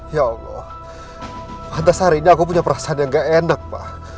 ya allah antasari ini aku punya perasaan yang gak enak pak